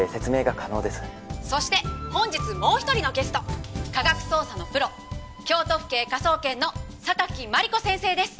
そして本日もう１人のゲスト科学捜査のプロ京都府警科捜研の榊マリコ先生です。